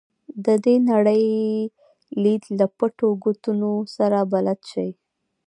د دې نړۍ لید له پټو ګوټونو سره بلد شي.